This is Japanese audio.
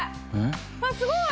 わっすごい！